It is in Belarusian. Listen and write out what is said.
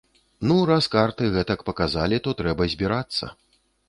Ну, раз карты гэтак паказалі, то трэба збірацца.